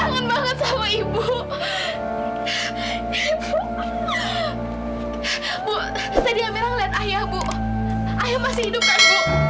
jadi amira coba bikin ibu susah